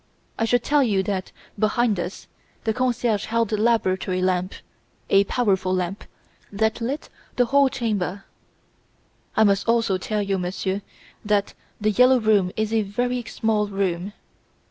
I should tell you that, behind us, the concierge held the laboratory lamp a powerful lamp, that lit the whole chamber. "'I must also tell you, monsieur, that "The Yellow Room" is a very small room.